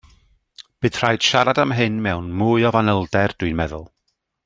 Bydd rhaid siarad am hyn mewn mwy o fanylder dwi'n meddwl.